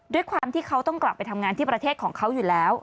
ด้วยความที่เขาต้องกลับไปทำงานที่ประเทศของเขาอยู่แล้ว